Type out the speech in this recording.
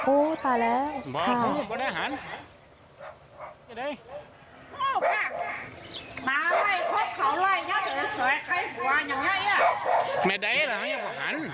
โอ้ตายแล้ว